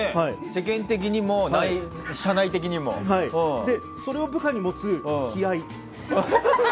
世間的にも社内的にも。それを部下に持つ悲哀。